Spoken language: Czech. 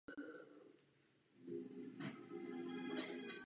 Před válkou linku provozoval několik let také.